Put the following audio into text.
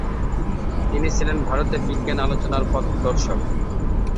তিনি ছিলেন ভারতে বিজ্ঞান আলোচনার পথপ্রদর্শক।